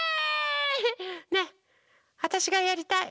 ねえわたしがやりたい。